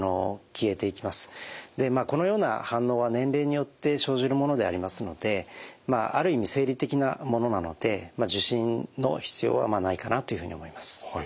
このような反応は年齢によって生じるものでありますのである意味生理的なものなので受診の必要はないかなというふうに思います。